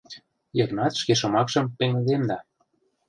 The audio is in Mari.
— Йыгнат шке шомакшым пеҥгыдемда.